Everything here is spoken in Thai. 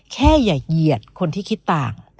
แค่อย่าเหยียดคนที่คิดต่าง